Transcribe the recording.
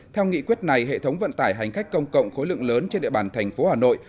theo nghị quyết này hệ thống vận tải hành khách công cộng khối lượng lớn trên địa bàn thành phố hà nội